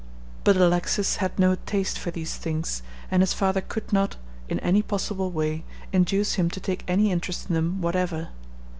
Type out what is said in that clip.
But Alexis had no taste for these things, and his father could not, in any possible way, induce him to take any interest in them whatever.